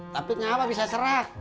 tapi ngapah bisa serak